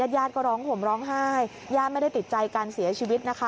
ญาติก็ร้องห่มร้องไห้ญาติไม่ได้ติดใจการเสียชีวิตนะคะ